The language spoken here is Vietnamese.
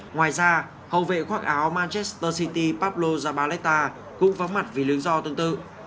ngoài ra hậu vệ khoác áo manchester city pablo zabaleta cũng vắng mặt vì lưỡng do tương tự